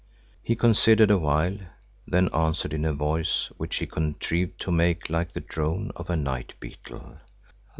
He considered a while, then answered in a voice which he contrived to make like the drone of a night beetle.